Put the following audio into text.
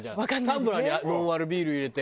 タンブラーにノンアルビール入れて。